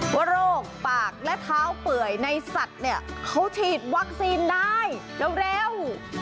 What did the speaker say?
การโรคปากและเท้าเป่ื่อยในสัตว์เขาฉีดวัคซีนได้เร็วเร็ว